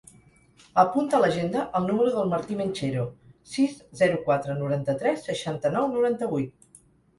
Apunta a l'agenda el número del Martí Menchero: sis, zero, quatre, noranta-tres, seixanta-nou, noranta-vuit.